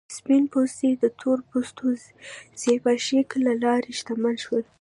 سپین پوستي د تور پوستو زبېښاک له لارې شتمن شول.